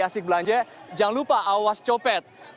asik belanja jangan lupa awas copet